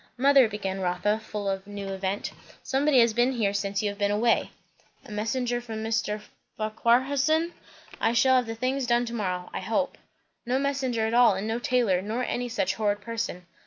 "Mother," began Rotha, full of the new event, "somebody has been here since you have been away." "A messenger from Mr. Farquharson? I shall have the things done to morrow, I hope." "No messenger at all, and no tailor, nor any such horrid person.